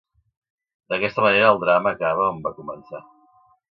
D'aquesta manera, el drama acaba on va començar.